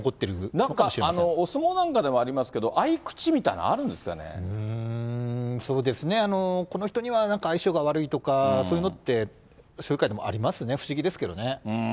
なんかお相撲なんかでもありますけど、うーん、そうですね、この人にはなんか相性が悪いとか、そういうのって、将棋界でもありますね、不思議ですけどね。